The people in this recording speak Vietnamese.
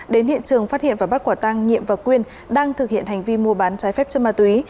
đến hiện trường phát hiện và bắt quả tăng nhiệm và quyên đang thực hiện hành vi mua bán trái phép chất ma túy